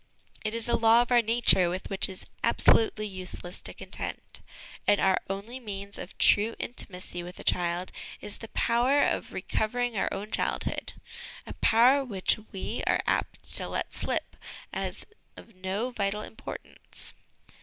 It is a law of our nature with which it is absolutely useless to contend, and our only means of true intimacy with a child is the power of recovering our own childhood a power which we are apt to let slip as of no vital importance.